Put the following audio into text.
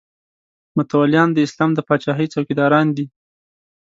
متولیان د اسلام د پاچاهۍ څوکیداران دي.